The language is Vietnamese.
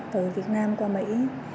từ việt nam qua mỹ